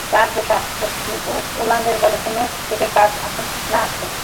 আর তার পোষা গুন্ডাদের বলো কাল থেকে কাজে না আসতে।